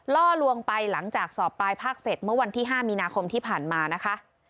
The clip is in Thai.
ล่อลวงไปหลังจากสอบปลายภาคเสร็จเมื่อวันที่๕มีนาคมที่ผ่านมานะคะ